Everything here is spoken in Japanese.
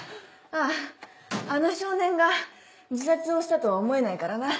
あああの少年が自殺をしたとは思えないからな。